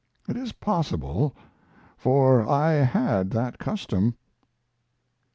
It is possible, for I had that custom.